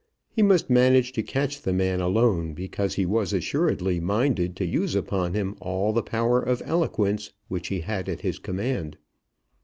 He must manage to catch the man alone, because he was assuredly minded to use upon him all the power of eloquence which he had at his command.